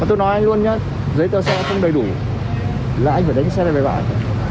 mà tôi nói anh luôn nhé giấy tờ xe không đầy đủ là anh phải đánh xe lên bàn